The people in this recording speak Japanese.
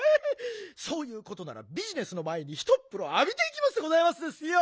そういうことならビジネスのまえにひとっぷろあびていきますでございますですよ！